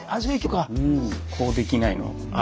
ああできないの？